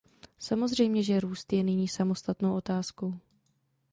Samozřejmě že růst je nyní samostatnou otázkou.